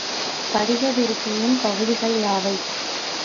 படிகப்பெருக்கியின் பகுதிகள் யாவை?